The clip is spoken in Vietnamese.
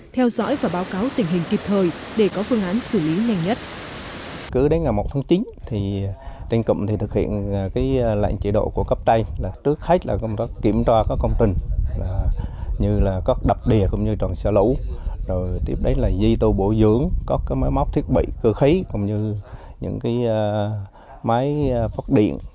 theo dõi và báo cáo tình hình kịp thời để có phương án xử lý nhanh nhất